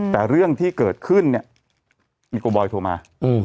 แต่เรื่องที่เกิดขึ้นมีกัลบอยโทรมา